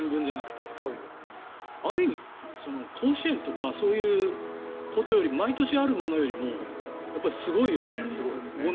ある意味甲子園とかそういうことよりも毎年あるものよりもすごいよね。